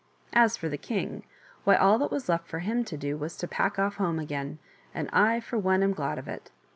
As for the king — why, all that was left for him to do was to pack off home again ; and I, for one, am glad of it.